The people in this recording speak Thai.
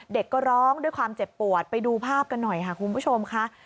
เด็กก็ร้องด้วยความเจ็บปวดไปดูภาพกันหน่อยค่ะคุณผู้ชมค่ะ